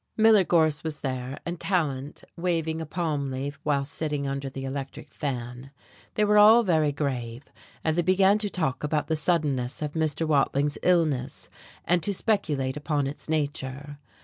Miller Gorse was there, and Tallant, waving a palm leaf while sitting under the electric fan. They were all very grave, and they began to talk about the suddenness of Mr. Watling's illness and to speculate upon its nature.